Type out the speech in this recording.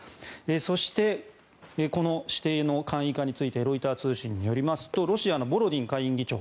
そしてこの指定の簡易化についてロイター通信によりますとロシアのボロディン下院議長